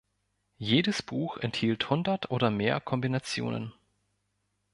Jedes Buch enthielt hundert oder mehr Kombinationen.